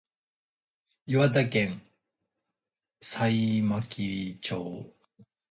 岩手県葛巻町